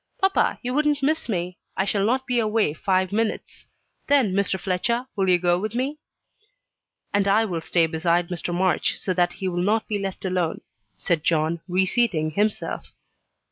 "Papa, you wouldn't miss me I shall not be away five minutes. Then, Mr. Fletcher, will you go with me?" "And I will stay beside Mr. March, so that he will not be left alone," said John, reseating himself.